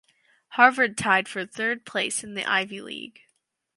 Harvard tied for third place in the Ivy League.